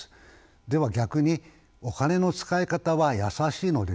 では逆にお金の使い方は易しいのでしょうか？